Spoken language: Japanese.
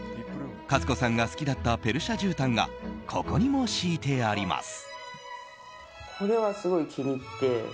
数子さんが好きだったペルシャじゅうたんがここにも敷いてあります。